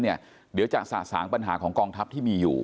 เดี๋ยวจะสะสางปัญหาของกองทัพที่มีอยู่